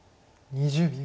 ２０秒。